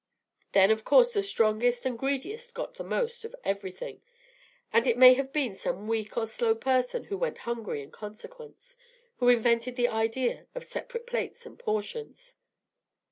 Then, of course, the strongest and greediest got the most of everything, and it may have been some weak or slow person who went hungry in consequence, who invented the idea of separate plates and portions."